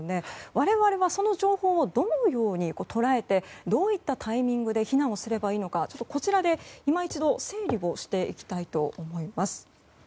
我々はその情報をどのように捉えてどういったタイミングで避難をすればいいのかこちらで今一度整理していきたいと思います。